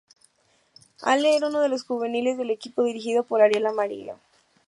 Ale era uno de los juveniles del equipo dirigido por Ariel Amarillo.